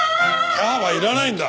「キャーッ！」はいらないんだ。